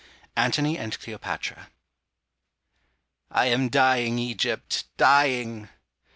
ANTONY AND CLEOPATRA. "I am dying, Egypt, dying."